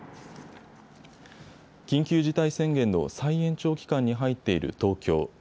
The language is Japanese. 緊急事態宣言の再延長期間に入っている東京。